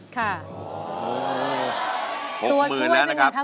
ตัวช่วยยังอยู่ครับถ้วน